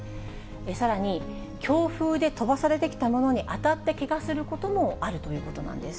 さらに強風で飛ばされてきたものに当たってけがすることもあるということなんです。